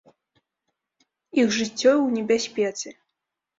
Іх жыццё ў небяспецы.